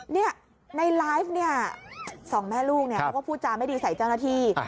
ในไลฟ์เนี่ยสองแม่ลูกเนี่ยเขาก็พูดจาไม่ดีใส่เจ้าหน้าที่